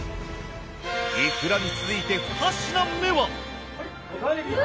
いくらに続いて２品目は？